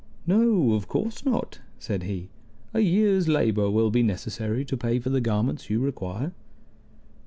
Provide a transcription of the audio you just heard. "No, of course not," said he. "A year's labor will be necessary to pay for the garments you require."